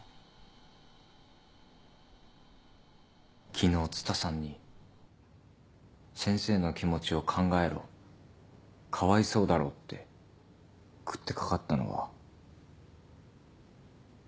昨日蔦さんに先生の気持ちを考えろかわいそうだろって食ってかかったのは嘘じゃないですよね？